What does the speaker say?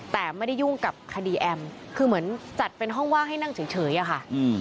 แต่ไม่ได้ยุ่งกับคดีแอมคือเหมือนจัดเป็นห้องว่างให้นั่งเฉยอะค่ะ